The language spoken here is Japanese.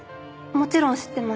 もちろん知ってます。